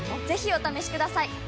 ぜひお試しください！